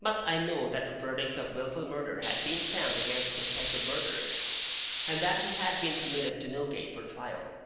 But I knew that a verdict of Wilful Murder had been found against the suspected murderer, and that he had been committed to Newgate for trial.